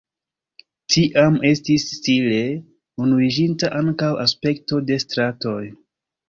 Tiam estis stile unuiĝinta ankaŭ aspekto de stratoj.